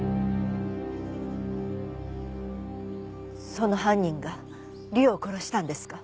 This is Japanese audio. その犯人が里緒を殺したんですか？